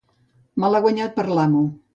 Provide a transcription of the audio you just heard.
Malaguanyat per l'amo.